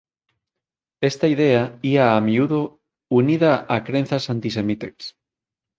Esta idea ía a miúdo unida a crenzas antisemitas.